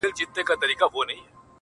په هغې باندي چا کوډي کړي؛